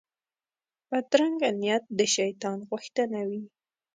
بدرنګه نیت د شیطان غوښتنه وي